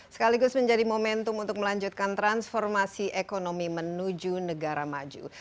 sekaligus menjadi momentum untuk melanjutkan transformasi ekonomi menuju negara maju